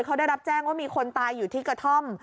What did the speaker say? เขาได้รับแจ้งว่ามีคนตายอยู่ที่กระท่อม